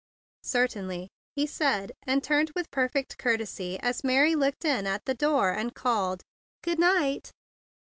"Certainly," he said, and turned with perfect courtesy as Mary looked in at the door and called, "Good night."